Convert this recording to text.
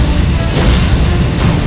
dengan eyeshadow dan lemari